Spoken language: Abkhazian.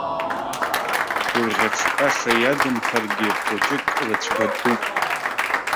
Гәырӷьаҿҳәаша иадамхаргьы хәыҷык рыцәгатәуп.